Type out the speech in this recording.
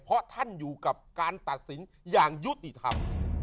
เพราะท่านอยู่กับการตัดสินอย่างยุติธรรม